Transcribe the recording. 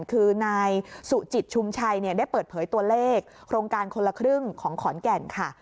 คือนายสุจิตชุมชัยได้เปิดเผยตัวเลขโครงการคนละครึ่งของขอนแก่นค่ะ